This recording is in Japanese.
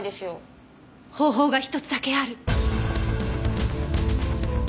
方法が一つだけある。